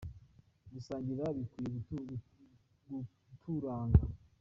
gusangira bikwiye kuturanga.